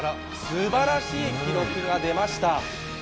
すばらしい記録が出ました。